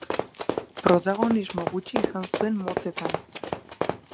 Protagonismo gutxi izan zuen motzetan.